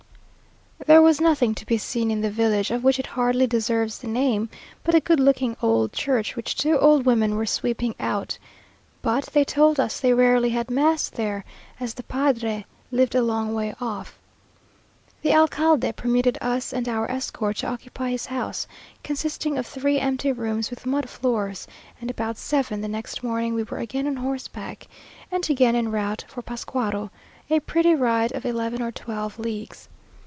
There was nothing to be seen in the village, of which it hardly deserves the name, but a good looking old church, which two old women were sweeping out; but they told us they rarely had mass there, as the padre lived a long way off. The alcalde permitted us and our escort to occupy his house, consisting of three empty rooms with mud floors; and about seven the next morning we were again on horseback, and again en route for Pascuaro; a pretty ride of eleven or twelve leagues.